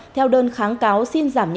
theo đối tượng của bản tin